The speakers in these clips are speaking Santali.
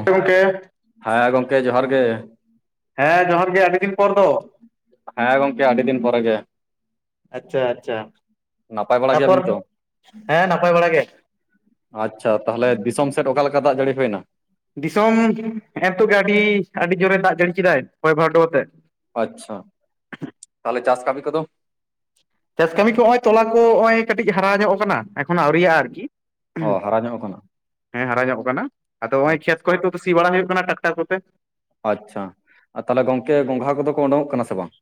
[unintelligible] ᱦᱮᱸ ᱜᱚᱢᱠᱮ ᱡᱚᱦᱟᱨ ᱜᱮ᱾ ᱦᱮᱸ ᱡᱚᱦᱟᱨ ᱜᱮ ᱟᱹᱰᱤ ᱫᱤᱱ ᱯᱚᱨ ᱫᱚ ᱦᱮᱸ ᱜᱚᱝᱠᱮ ᱟᱹᱰᱤ ᱫᱤᱱ ᱯᱚᱨᱮ ᱜᱮ᱾ ᱟᱪᱪᱷᱟ ᱟᱪᱪᱷᱟ, ᱱᱟᱯᱟᱭ ᱵᱟᱲᱟ ᱛᱟᱯᱚᱨ ᱜᱮᱭᱟᱵᱤᱱ ᱛᱚ ᱦᱮᱸ ᱱᱟᱯᱟᱭ ᱵᱟᱲᱟ ᱜᱮ᱾ ᱟᱪᱪᱷᱟ, ᱛᱟᱦᱚᱞᱮ ᱫᱤᱥᱚᱢ ᱥᱮᱫ ᱚᱠᱟ ᱞᱮᱠᱟ ᱫᱟᱜ ᱡᱟᱹᱲᱤ ᱦᱩᱭᱮᱱᱟ? ᱫᱤᱥᱚᱢ ᱦᱮᱸ ᱮ ᱱᱤᱛᱚᱜ ᱜᱮ ᱟᱹᱰᱤ ᱟᱹᱰᱤ ᱡᱳᱨᱮ ᱫᱟᱜ ᱡᱟᱹᱲᱤ ᱠᱮᱫᱟᱭ ᱦᱚᱭ ᱵᱷᱟᱨᱰᱚ ᱟᱛᱮᱫ᱾ ᱟᱪᱪᱷᱟ, ᱛᱟᱦᱚᱞᱮ ᱪᱟᱥ ᱠᱟᱢᱤ ᱠᱚᱫᱚ? ᱪᱟᱥ ᱠᱟᱹᱢᱤ ᱠᱚ ᱱᱚᱜᱚᱭ ᱛᱚᱞᱟ ᱠᱚ ᱱᱚᱜ ᱚᱭ ᱠᱟᱹᱴᱤᱡ ᱦᱟᱨᱟ ᱧᱚᱜ ᱟᱠᱟᱱᱟ ᱮᱠᱷᱚᱱ ᱟᱹᱣᱨᱤᱟᱜ ᱟᱨᱠᱤ᱾ ᱚ ᱦᱟᱨᱟ ᱧᱚᱜ ᱟᱠᱟᱱᱟ? ᱦᱮᱸ ᱦᱟᱨᱟ ᱧᱚᱜ ᱠᱟᱱᱟ, ᱟᱫᱚ ᱱᱚᱜ ᱚᱭ ᱠᱷᱮᱛ ᱠᱚᱨᱮ ᱥᱤ ᱵᱟᱲᱟ ᱦᱩᱭᱩᱜ ᱠᱟᱱᱟ ᱴᱨᱟᱠᱴᱟᱨ ᱠᱚᱛᱮ᱾ ᱟᱪᱪᱷᱟ, ᱛᱟᱦᱚᱞᱮ ᱜᱚᱝᱠᱮ ᱜᱚᱝᱜᱷᱟ ᱠᱚᱫᱚ ᱠᱚ ᱩᱰᱚᱝᱠᱚᱜ ᱠᱟᱱᱟ ᱥᱮ ᱵᱟᱝ?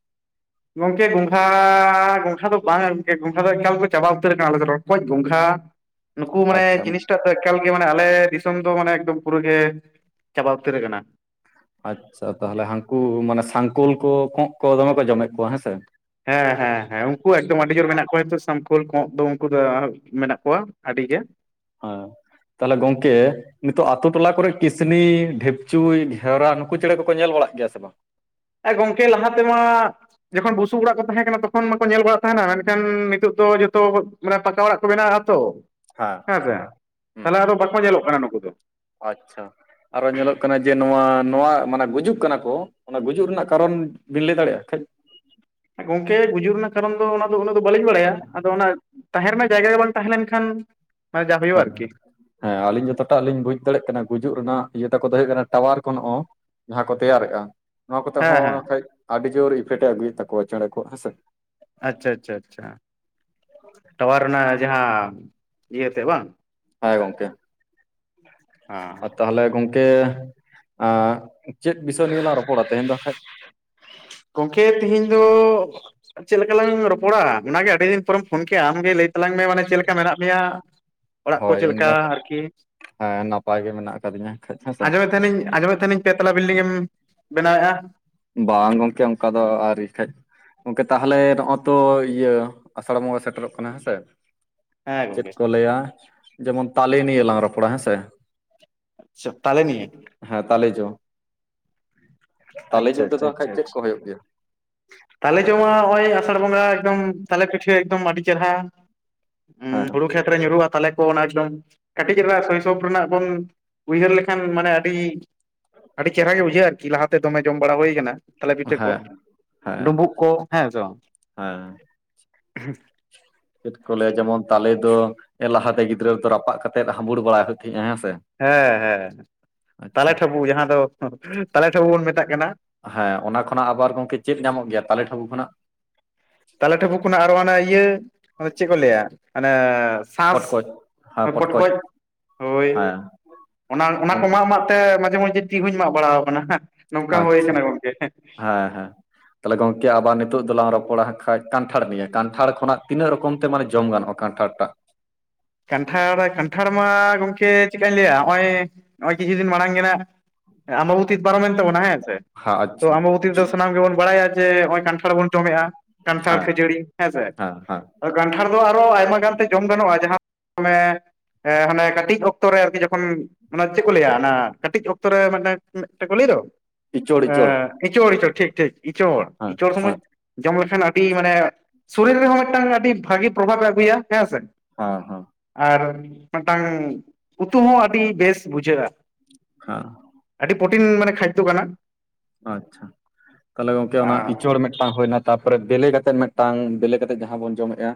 ᱜᱚᱢᱠᱮ ᱜᱚᱝᱜᱷᱟ ᱜᱚᱝᱜᱷᱟ ᱫᱚ ᱵᱟᱝᱟ ᱜᱚᱢᱠᱮ ᱜᱚᱝᱜᱷᱟ ᱫᱚ ᱮᱠᱟᱞ ᱠᱚ ᱪᱟᱵᱟ ᱩᱛᱟᱹᱨ ᱟᱠᱟᱱᱟ ᱟᱞᱮ ᱫᱚ᱾ ᱨᱚᱠᱚᱡ, ᱜᱚᱝᱜᱷᱟ, [inaudible] ᱱᱩᱠᱩ ᱢᱟᱱᱮ ᱟᱪᱪᱷᱟ ᱡᱤᱱᱤᱥᱴᱟ ᱮᱠᱟᱞ ᱜᱮ ᱢᱟᱱᱮ ᱟᱞᱮ ᱫᱤᱥᱚᱢ ᱫᱚ ᱢᱟᱱᱮ ᱮᱠᱫᱚᱢ ᱯᱩᱨᱟᱹ ᱜᱮ ᱪᱟᱵᱟ ᱩᱛᱟᱹᱨ ᱟᱠᱟᱱᱟ᱾ ᱟᱪᱪᱷᱟ ᱛᱟᱦᱚᱞᱮ ᱦᱟᱹᱠᱩ ᱢᱟᱱᱮ ᱥᱟᱝᱠᱞ ᱠᱚ ᱠᱚᱸᱜ ᱠᱚ ᱫᱚᱢᱮ ᱠᱚ ᱡᱚᱢᱮᱫ ᱠᱚᱣᱟ ᱦᱮᱸᱥᱮ? ᱦᱮᱸ ᱦᱮᱸ ᱦᱮᱸ ᱩᱱᱠᱩ ᱮᱠᱫᱚᱢ ᱟᱹᱰᱤ ᱡᱳᱨ ᱢᱮᱱᱟᱜ ᱠᱚᱣᱟ ᱥᱟᱢᱠᱳᱞ ᱠᱚᱸᱜ ᱫᱚ ᱩᱱᱠᱩ ᱫᱚ ᱢᱮᱱᱟᱜ ᱠᱚᱣᱟ ᱟᱹᱰᱤ ᱜᱮ᱾ ᱦᱮᱸ ᱛᱟᱦᱚᱞᱮ ᱜᱚᱝᱠᱮ ᱱᱤᱛᱚᱜ ᱟᱛᱳ ᱴᱚᱞᱟ ᱠᱚᱨᱮ ᱠᱤᱥᱱᱤ, ᱰᱷᱤᱯᱪᱩᱭ, ᱜᱷᱮᱣᱨᱟ ᱱᱩᱠᱩ ᱪᱮᱬᱮ ᱠᱚᱠᱚ ᱧᱮᱞ ᱵᱟᱲᱟᱜ ᱜᱮᱭᱟ ᱥᱮ ᱵᱟᱝ? ᱜᱚᱢᱠᱮ ᱞᱟᱦᱟ ᱛᱮᱢᱟ ᱡᱚᱠᱷᱚᱱ ᱵᱩᱥᱩᱵ ᱚᱲᱟᱜ ᱠᱚ ᱛᱟᱦᱮᱸ ᱠᱟᱱᱟ ᱛᱚᱠᱷᱚᱱ ᱢᱟᱠᱚ ᱧᱮᱞ ᱵᱟᱲᱟᱜ ᱛᱟᱦᱮᱱᱟ᱾ ᱢᱮᱱᱠᱷᱟᱱ ᱱᱤᱛᱚᱜ ᱫᱚ ᱡᱚᱛᱚ ᱢᱟᱱᱮ ᱯᱟᱠᱟ ᱚᱲᱟᱜ ᱠᱚ ᱵᱮᱱᱟᱜ ᱟᱛᱚ ᱦᱮᱸ ᱥᱮ ᱦᱩᱸ ᱛᱟᱦᱚᱞᱮ ᱟᱫᱚ ᱵᱟᱠᱚ ᱧᱮᱞᱚᱜ ᱠᱟᱱᱟ ᱱᱩᱠᱩ ᱫᱚ᱾ ᱟᱪᱪᱷᱟ ᱟᱨᱚ ᱧᱮᱞᱚᱜ ᱠᱟᱱᱟ ᱡᱮ ᱱᱚᱣᱟ ᱱᱚᱣᱟ ᱢᱟᱱᱮ ᱜᱩᱡᱩᱜ ᱠᱟᱱᱟ ᱠᱚ᱾ ᱚᱱᱟ ᱜᱩᱡᱩᱜ ᱨᱮᱱᱟᱜ ᱠᱟᱨᱚᱱ ᱵᱤᱱ ᱞᱟᱹᱭ ᱫᱟᱲᱮᱭᱟᱜᱼᱟ ᱠᱷᱡ [unintelligible] ᱜᱚᱝᱠᱮ ᱜᱩᱡᱩᱜ ᱨᱮᱱᱟᱜ ᱠᱟᱨᱚᱱ ᱫᱚ ᱚᱱᱟ ᱫᱚ ᱩᱱᱟᱹᱜ ᱫᱚ ᱵᱟᱹᱞᱤᱧ ᱵᱟᱲᱟᱭᱟ᱾ ᱟᱫᱚ ᱚᱱᱟ ᱛᱟᱦᱮᱸ ᱨᱮᱱᱟᱜ ᱡᱟᱭᱜᱟ ᱜᱮ ᱵᱟᱝ ᱛᱟᱦᱮᱸ ᱞᱮᱱᱠᱷᱟᱱ ᱡᱟ ᱦᱳᱭᱳᱜᱼᱟ ᱦᱮᱸ ᱟᱨᱠᱤ᱾ ᱦᱮᱸ ᱟᱹᱞᱤᱧ ᱡᱚᱛᱚᱴᱟᱜ ᱞᱤᱧ ᱵᱩᱡ ᱫᱟᱲᱮᱭᱟᱜ ᱠᱟᱱᱟ ᱜᱩᱡᱩᱜ ᱨᱮᱱᱟᱜ ᱤᱭᱟᱹ ᱛᱟᱠᱚ ᱫᱚ ᱦᱩᱭᱩᱜ ᱠᱟᱱᱟ ᱴᱟᱣᱟᱨ ᱠᱚᱼ ᱱᱚᱜ ᱚ᱾ ᱡᱟᱦᱟᱸ ᱠᱚ ᱛᱮᱭᱟᱨᱮᱫᱼᱟ ᱱᱚᱣᱟ ᱠᱚᱛᱮ ᱦᱮᱸ ᱦᱮᱸ ᱦᱚᱸ ᱠᱷᱟᱡ ᱟᱹᱰᱤ ᱡᱳᱨ ᱤᱯᱷᱮᱠᱴ ᱮ ᱟᱹᱜᱩᱭᱮᱫ ᱛᱟᱠᱚᱣᱟ ᱪᱮᱬᱮ ᱠᱚᱣᱟ ᱦᱮᱸᱥᱮ᱾ ᱟᱪᱪᱷᱟ ᱟᱪᱪᱷᱟ ᱟᱪᱪᱷᱟ, ᱴᱟᱣᱟᱨ ᱨᱮᱱᱟᱜ ᱡᱟᱦᱟᱸ ᱤᱭᱟᱹ ᱛᱮ ᱵᱟᱝ? ᱦᱮᱸ ᱜᱚᱢᱠᱮ [unintelligible] ᱛᱟᱦᱚᱞᱮ ᱜᱚᱝᱠᱮ ᱪᱮᱫ ᱵᱤᱥᱚᱭ ᱱᱤᱭᱮ ᱞᱟᱝ ᱨᱚᱯᱚᱲᱟ ᱛᱮᱦᱮᱧ ᱫᱚ ᱠᱷᱟᱡ? ᱜᱚᱢᱠᱮ ᱛᱤᱦᱤᱧ ᱫᱚ ᱟᱨ ᱪᱮᱫ ᱞᱮᱠᱟ ᱞᱟᱝ ᱨᱚᱯᱚᱲᱟ ᱚᱱᱟᱜᱮ ᱟᱹᱰᱤ ᱫᱤᱱ ᱯᱚᱨᱮᱢ ᱯᱷᱳᱱ ᱠᱮᱫᱮᱜᱼᱟ, ᱟᱢᱜᱮ ᱞᱟᱹᱭ ᱛᱟᱞᱟᱝ ᱢᱮ ᱢᱟᱱᱮ ᱪᱮᱫ ᱞᱮᱠᱟ ᱢᱮᱱᱟᱜ ᱢᱮᱭᱟ? ᱚᱲᱟᱜ ᱠᱚ ᱦᱳᱭ ᱪᱮᱫ ᱤᱧ ᱞᱮᱠᱟ ᱫᱚ ᱟᱨᱠᱤ ᱦᱮᱸ ᱱᱟᱯᱟᱭ ᱜᱮ ᱢᱮᱱᱟᱜ ᱠᱟᱫᱤᱧᱟ ᱠᱷᱟᱡ ᱦᱮᱸᱥᱮ᱾ ᱱᱤᱧ ᱟᱸᱡᱚᱢᱮᱫ ᱛᱟᱦᱮᱱᱤᱧ ᱯᱮ ᱛᱟᱞᱟ ᱵᱤᱞᱰᱤᱝ ᱮᱢ ᱵᱮᱱᱟᱣᱮᱫᱼᱟ? ᱵᱟᱝ ᱜᱚᱝᱠᱮ ᱚᱱᱠᱟ ᱫᱚ ᱟᱹᱣᱨᱤ ᱠᱟᱡ, ᱜᱚᱝᱠᱮ ᱛᱟᱦᱚᱞᱮ ᱱᱚᱜ ᱛᱚ ᱤᱭᱟᱹ ᱟᱥᱟᱲ ᱵᱚᱸᱜᱟ ᱥᱮᱴᱮᱨᱚᱜ ᱠᱟᱱᱟ ᱦᱮᱸ ᱥᱮ ᱦᱮᱸ ᱪᱮᱫ ᱜᱚᱝᱠᱮ ᱠᱚ ᱞᱟᱹᱭᱟ ᱡᱮᱢᱚᱱ ᱛᱟᱞᱮ ᱱᱤᱭᱮ ᱞᱟᱝ ᱨᱚᱯᱚᱲᱟ ᱦᱮᱸ ᱥᱮ᱾ ᱟᱪᱪᱷᱟ ᱛᱟᱦᱟᱞᱮ ᱱᱤᱭᱮ᱾ ᱦᱮᱸ ᱛᱟᱞᱮ ᱡᱚ᱾ ᱛᱟᱞᱮ ᱡᱚ ᱛᱮᱫᱚ ᱠᱷᱟᱡ ᱪᱮᱫ ᱠᱚ ᱦᱩᱭᱩᱜ ᱜᱮᱭᱟ? ᱛᱟᱞᱮ ᱡᱚᱢᱟ ᱱᱚᱜᱼᱚᱭ ᱟᱥᱟᱲ ᱵᱚᱸᱜᱟ ᱮᱠᱫᱚᱢ ᱛᱟᱞᱮ ᱯᱤᱴᱷᱟᱹ ᱮᱠᱫᱚᱢ ᱟᱹᱰᱤ ᱪᱮᱨᱦᱟ᱾ ᱦᱮᱸ ᱦᱩᱲᱩ ᱠᱷᱮᱛᱨᱮ ᱧᱩᱨᱦᱩᱜᱼᱟ ᱛᱟᱞᱮ ᱠᱚ ᱮᱠᱫᱚᱢ ᱠᱟᱹᱴᱤᱡ ᱨᱮᱱᱟᱜ [unintelligible] ᱨᱮᱱᱟᱜ ᱵᱚᱱ ᱩᱭᱦᱟᱹᱨ ᱞᱮᱠᱷᱟᱱ ᱢᱟᱱᱮ ᱟᱹᱰᱤ ᱟᱹᱰᱤ ᱪᱮᱦᱨᱟ ᱜᱮ ᱵᱩᱡᱷᱟᱹᱜᱼᱟ ᱟᱨᱠᱤ᱾ ᱞᱟᱦᱟᱛᱮ ᱫᱚᱢᱮ ᱡᱚᱢ ᱵᱟᱲᱟ ᱦᱩᱭ ᱠᱟᱱᱟ ᱛᱟᱞᱮ ᱯᱤᱴᱟᱹ ᱠᱚ ᱦᱮᱸ ᱦᱮᱸ ᱰᱩᱵᱩᱜ ᱠᱚ ᱦᱮᱸ ᱥᱮ ᱦᱮᱸ ᱪᱮᱫ ᱠᱚ ᱞᱟᱹᱭᱟ ᱡᱮᱢᱚᱱ ᱛᱟᱞᱮ ᱫᱚ ᱞᱟᱦᱟᱛᱮ ᱜᱤᱫᱽᱨᱟᱹ ᱫᱚ ᱨᱟᱯᱟᱜ ᱠᱟ ᱠᱟᱛᱮᱫ ᱦᱟᱸᱵᱩᱲ ᱵᱟᱲᱟᱭ ᱦᱩᱭᱩᱜ ᱛᱟᱦᱮᱸᱜᱼᱟ ᱦᱮᱸ ᱥᱮ᱾ ᱦᱮᱸ ᱦᱮᱸ ᱟᱪᱪᱷᱟ ᱛᱟᱞᱮ ᱴᱷᱟᱹᱵᱩ ᱡᱟᱦᱟᱸ ᱫᱚ ᱛᱟᱞᱮ ᱴᱷᱟᱹᱵᱩ ᱵᱚᱱ ᱢᱮᱛᱟᱜ ᱠᱟᱱᱟ᱾ ᱦᱮᱸ ᱚᱱᱟ ᱠᱷᱚᱱᱟᱜ ᱟᱵᱟᱨ ᱜᱚᱝᱠᱮ ᱪᱮᱫ ᱧᱟᱢᱚᱜ ᱜᱮᱭᱟ ᱛᱟᱞᱮ ᱴᱷᱟᱵᱩ ᱠᱷᱚᱱᱟᱜ? ᱛᱟᱞᱮ ᱴᱷᱟᱵᱩ ᱠᱷᱚᱱᱟᱜ ᱟᱨᱚ ᱚᱱᱮ ᱤᱭᱟᱹ ᱪᱮᱫ ᱠᱚ ᱞᱟᱹᱭᱟ ᱚᱱᱮ ᱥᱟᱥ ᱯᱚᱴᱠᱚᱡ ᱦᱮᱸ ᱯᱚᱴᱠᱚᱡ ᱦᱳᱭ ᱦᱮᱸ ᱚᱱᱟ ᱚᱱᱟ ᱠᱚᱢᱟ ᱟᱢᱟᱜ ᱛᱮ ᱢᱟᱡᱷᱮ ᱢᱟᱡᱮ ᱛᱤ ᱦᱚᱸᱧ ᱢᱟᱜ ᱵᱟᱲᱟᱟᱣ ᱠᱟᱱᱟ ᱱᱚᱝᱠᱟ ᱦᱩᱭ ᱟᱪᱪᱷᱟ ᱠᱟᱱᱟ ᱜᱚᱝᱠᱮ᱾ ᱦᱮᱸ ᱦᱮᱸ ᱛᱟᱦᱚᱞᱮ ᱜᱚᱝᱠᱮ ᱟᱵᱟᱨ ᱱᱤᱛᱚᱜ ᱫᱚᱞᱟᱝ ᱨᱚᱯᱚᱲᱟ ᱠᱷᱟᱱᱡ ᱠᱟᱱᱴᱷᱟᱲ ᱱᱤᱭᱟᱹ ᱠᱟᱱᱴᱷᱟᱲ ᱠᱷᱚ ᱛᱤᱱᱟᱹᱜ ᱨᱚᱠᱚᱢ ᱛᱮ ᱢᱟᱱᱮ ᱡᱚᱢ ᱜᱟᱱᱚᱜᱼᱟ᱾ ᱠᱟᱱᱴᱷᱟᱲ ᱢᱟᱜ, ᱠᱟᱱᱴᱷᱟᱲ ᱠᱟᱱᱴᱷᱟᱲ ᱢᱟ ᱜᱚᱝᱠᱮ ᱪᱮᱫᱠᱟᱧ ᱞᱟᱹᱭᱟ ᱱᱚᱜᱼᱚᱭ ᱱᱚᱜᱼᱚᱭ ᱠᱤᱪᱷᱩ ᱫᱤᱱ ᱢᱟᱲᱟᱝ ᱜᱮ ᱱᱟᱜ ᱚᱢᱵᱚᱵᱚᱛᱤ ᱯᱟᱨᱚᱢ ᱮᱱᱱᱛᱟᱵᱚᱱᱟ ᱦᱮᱸ ᱥᱮ? ᱦᱮᱸ ᱛᱚ ᱟᱪᱪᱷᱟ ᱚᱢᱵᱚᱵᱚᱛᱤ ᱨᱮ ᱥᱟᱱᱟᱢ ᱜᱮᱵᱚᱱ ᱵᱟᱲᱟᱭᱟ ᱡᱮ ᱱᱚᱜᱼᱚᱭ ᱠᱟᱱᱴᱷᱟᱲ ᱵᱚᱱ ᱡᱚᱢᱮᱜᱼᱟ᱾ ᱠᱟᱱᱴᱷᱟᱲ ᱦᱮᱸ ᱠᱷᱟᱹᱡᱟᱹᱲᱤ ᱦᱮᱸᱥᱮ ᱦᱮᱸ ᱦᱮᱸ ᱠᱟᱱᱴᱷᱟᱲ ᱫᱚ ᱟᱨᱚ ᱟᱭᱢᱟ ᱜᱟᱱᱛᱮ ᱡᱚᱢ ᱜᱟᱱᱚᱜᱼᱟ ᱡᱟᱦᱟᱸ ᱮ ᱦᱮ ᱚᱱᱮ ᱠᱟᱹᱴᱤᱡ ᱚᱠᱛᱚ ᱨᱮ ᱟᱨᱠᱤ ᱡᱚᱠᱷᱚᱱ ᱚᱱᱟ ᱪᱮᱫ ᱠᱚ ᱞᱟᱹᱭᱟ ᱚᱱᱟ ᱠᱟᱹᱴᱤᱡ ᱚᱠᱛᱚ ᱨᱮ ᱢᱤᱫᱴᱮᱱ ᱠᱚ ᱞᱟᱹᱭ ᱫᱚ, ᱤᱪᱚᱲ ᱮᱻ ᱤᱪᱚᱲ ᱤᱪᱚᱲ ᱤᱪᱚᱲ ᱴᱷᱤᱠ ᱴᱷᱤᱠ ᱤᱪᱚᱲ ᱦᱮᱸ ᱤᱪᱚᱲ ᱥᱚᱢᱚᱭ ᱦᱮᱸ ᱡᱚᱢ ᱞᱮᱠᱷᱟᱱ ᱟᱹᱰᱤ ᱢᱟᱱᱮ ᱥᱚᱨᱤᱨ ᱨᱮᱦᱚᱸ ᱢᱤᱫᱴᱟᱝ ᱟᱹᱰᱤ ᱵᱷᱟᱹᱜᱤ ᱯᱨᱚᱵᱷᱟᱵᱽ ᱮ ᱟᱹᱜᱩᱭᱟ ᱦᱮᱸ ᱥᱮ᱾ ᱦᱮᱸ ᱦᱮᱸ ᱟᱨ ᱢᱤᱫᱴᱟᱝ ᱩᱛᱩ ᱦᱚᱸ ᱟᱹᱰᱤ ᱵᱮᱥ ᱵᱩᱡᱷᱟᱹᱜᱼᱟ᱾ ᱦᱮᱸ ᱯᱨᱚᱴᱤᱱ ᱢᱟᱱᱮ ᱠᱷᱟᱫᱽᱫᱚ ᱠᱟᱱᱟ᱾ ᱛᱟᱦᱚᱞᱮ ᱜᱚᱝᱠᱮ ᱚᱱᱟ ᱟᱨ ᱤᱪᱟᱹᱲ ᱢᱮ ᱦᱳᱭᱱᱟ ᱛᱟᱨᱯᱚᱨᱮ ᱵᱮᱞᱮ ᱠᱟᱛᱮᱫ ᱢᱤᱫᱴᱟᱝ ᱵᱮᱞᱮ ᱠᱟᱛᱮᱫ ᱡᱟᱦᱟᱸ ᱵᱚᱱ ᱡᱚᱢᱮᱫᱼᱟ᱾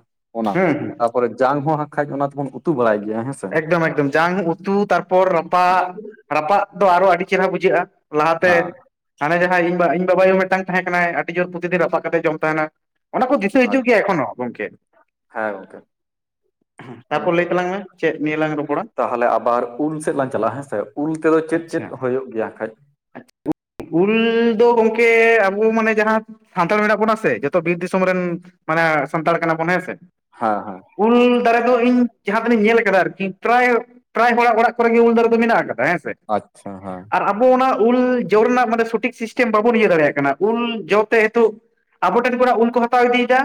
ᱦᱩᱸ ᱦᱩᱸ ᱛᱟᱯᱚᱨᱮ ᱡᱟᱝ ᱦᱚᱸᱦᱟᱸᱜ ᱠᱷᱟᱱᱡ ᱚᱱᱟ ᱛᱮᱵᱚᱱ ᱩᱛᱩ ᱵᱟᱲᱟᱭ ᱜᱮᱭᱟ ᱦᱮᱸᱥᱮ᱾ ᱮᱠᱫᱚᱢ ᱮᱠᱫᱚᱢ ᱡᱟᱝ ᱩᱛᱩ ᱛᱟᱨᱯᱚᱨ ᱨᱟᱯᱟᱜ ᱨᱟᱯᱟᱜ ᱫᱚ ᱟᱨᱚ ᱟᱹᱰᱤ ᱪᱮᱦᱨᱟ ᱵᱩᱡᱷᱟᱹᱜᱼᱟ᱾ ᱞᱟᱦᱟᱛᱮ ᱦᱮᱸ ᱦᱟᱱᱮ ᱡᱟᱦᱟᱸᱭ ᱤᱧ ᱤᱧ ᱵᱟᱵᱟᱭᱳ ᱦᱚᱸ ᱢᱤᱫᱴᱟᱝ ᱛᱟᱦᱮᱸ ᱠᱟᱱᱟᱭ ᱟᱹᱰᱤ ᱡᱳᱨ ᱯᱨᱚᱛᱤᱫᱤᱱ ᱨᱟᱯᱟᱜ ᱠᱟᱛᱮᱫ ᱡᱚᱢ ᱛᱟᱦᱮᱱᱟᱭ᱾ ᱚᱱᱟ ᱠᱚ ᱫᱤᱥᱟᱹ ᱟᱪᱪᱷᱟ ᱦᱤᱡᱩᱜ ᱜᱮᱭᱟ ᱮᱠᱷᱚᱱ ᱦᱚᱸ ᱜᱚᱝᱠᱮ ᱦᱮᱸ ᱜᱚᱝᱠᱮ ᱛᱟᱯᱚᱨ ᱞᱟᱹᱭ ᱛᱟᱞᱟᱝ ᱢᱮ᱾ ᱪᱮᱫ ᱱᱤᱭᱟᱹ ᱞᱟᱝ ᱨᱚᱯᱚᱲᱟ ᱛᱟᱦᱞᱮ ᱟᱵᱟᱨ ᱩᱞ ᱥᱮᱫ ᱞᱟᱝ ᱪᱟᱞᱟᱜᱼᱟ ᱦᱮᱸᱥᱮ ᱩᱞ ᱛᱮᱫᱚ ᱪᱮᱫ ᱪᱮᱫ ᱟᱪᱪᱷᱟ ᱦᱩᱭᱩᱜ ᱜᱮᱭᱟ ᱠᱷᱟᱱᱡ ᱩᱞ ᱫᱚ ᱜᱚᱢᱠᱮ ᱟᱵᱚ ᱢᱟᱱᱮ ᱡᱟᱦᱟᱸ ᱥᱟᱱᱛᱟᱲ ᱢᱮᱱᱟᱜ ᱵᱚᱱᱟ ᱥᱮ ᱡᱚᱛᱚ ᱵᱤᱨ ᱫᱤᱥᱚᱢ ᱨᱮᱱ ᱢᱟᱱᱮ ᱥᱟᱱᱛᱟᱲ ᱠᱟᱱᱟ ᱵᱚᱱ ᱦᱮᱸ ᱥᱮ᱾ ᱦᱮᱸ ᱦᱮᱸ ᱩᱞ ᱫᱟᱨᱮ ᱫᱚ ᱤᱧ ᱡᱟᱦᱟᱸ ᱛᱤᱱᱟᱹᱧ ᱧᱮᱞ ᱟᱨᱠᱤ ᱯᱨᱟᱭ ᱯᱨᱟᱭ ᱦᱚᱲᱟᱜ ᱚᱲᱟᱜ ᱠᱚᱨᱮ ᱜᱮ ᱩᱞ ᱫᱟᱨᱮ ᱫᱚ ᱢᱮᱱᱟᱜ ᱟᱠᱟᱫᱟ ᱦᱮᱸ ᱥᱮ᱾ ᱟᱪᱪᱷᱟ ᱦᱮᱸ ᱟᱨ ᱟᱵᱚ ᱚᱱᱟ ᱩᱞ ᱡᱚ ᱨᱮᱱᱟᱜ ᱢᱟᱱᱮ ᱥᱚᱴᱷᱤᱠ ᱥᱤᱥᱴᱮᱢ ᱵᱟᱵᱚᱱ ᱤᱭᱟᱹ ᱫᱟᱲᱮᱭᱟᱜ ᱠᱟᱱᱟ ᱩᱞ ᱡᱚ ᱛᱮ ᱱᱤᱛᱚᱜ ᱟᱵᱚ ᱴᱷᱮᱱ ᱠᱷᱚᱱ ᱟᱜ ᱩᱞ ᱠᱚ ᱦᱟᱛᱟᱣ ᱤᱫᱤᱭᱮᱫᱟ,